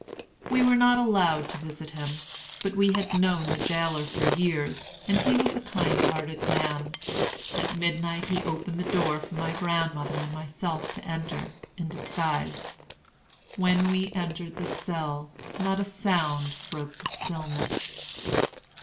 We were not allowed to visit him. But we had known the jailer for years, and he was a kind hearted man. At midnight he opened the door for my grandmother and myself to enter, in disguise. When we entered the cell, not a sound broke the stillness.